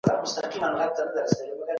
کېدای شي زه سبا درس ولولم.